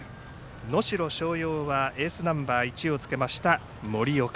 能代松陽はエースナンバー１をつけました森岡。